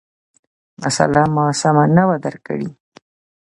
مسأله ما سمه نه وه درک کړې،